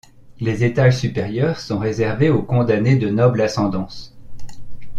Les étages supérieurs sont réservés aux condamnés de noble ascendance.